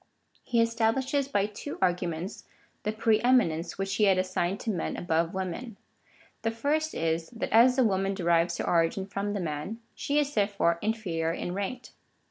He establishes by two arguments the pre eminence, which he had assigned to men above women. The first is, that as the woman derives her origin from the man, she is therefore inferior in rank.